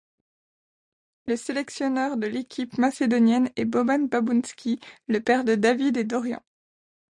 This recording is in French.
Le sélectionneur de l'équipe macédonienne est Boban Babunski, le père de David et Dorian.